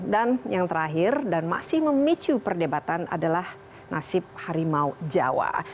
yang terakhir dan masih memicu perdebatan adalah nasib harimau jawa